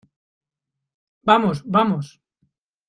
¡ vamos! ¡ vamos !